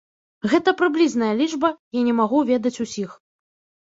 Гэта прыблізная лічба, я не магу ведаць ўсіх.